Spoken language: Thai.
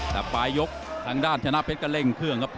แต่ปลายยกทางด้านชนะเพชรก็เร่งเครื่องครับ